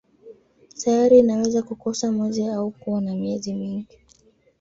Sayari inaweza kukosa mwezi au kuwa na miezi mingi.